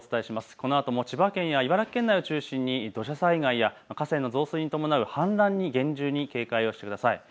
このあとも千葉県や茨城県内を中心に土砂災害や河川の増水に伴う氾濫に厳重に警戒をしてください。